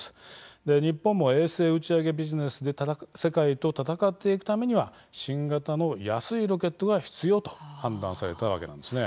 日本も衛星打ち上げビジネスで世界と闘っていくためには新型の安いロケットが必要と判断されたわけなんです。